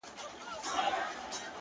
• مـاتــه يــاديـــده اشـــــنـــا ـ